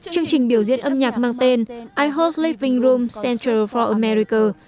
chương trình biểu diễn âm nhạc mang tên i hope living room central for america